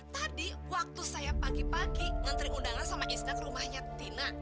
tadi waktu saya pagi pagi ngantri undangan sama isna ke rumahnya tina